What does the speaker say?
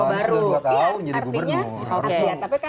oh baru sudah dua tahun jadi gubernur